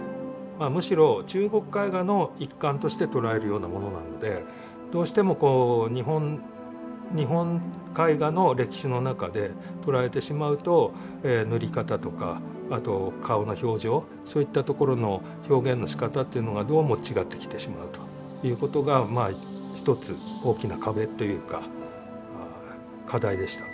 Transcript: まあむしろ中国絵画の一環として捉えるようなものなのでどうしてもこう日本絵画の歴史の中で捉えてしまうと塗り方とかあと顔の表情そういったところの表現のしかたというのがどうも違ってきてしまうということがまあ一つ大きな壁というか課題でした。